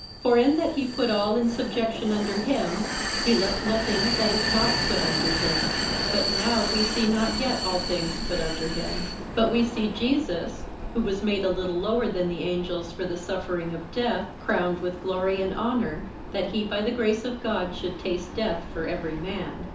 For in that he put all in subjection under him, he left nothing that is not put under him. But now we see not yet all things put under him. 58:002:009 But we see Jesus, who was made a little lower than the angels for the suffering of death, crowned with glory and honour; that he by the grace of God should taste death for every man.